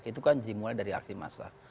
itu kan dimulai dari aksi massa